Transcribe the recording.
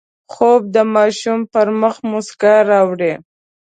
خوب د ماشوم پر مخ مسکا راوړي